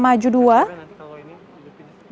selain itu juga ada mengunjungi sd sukamajan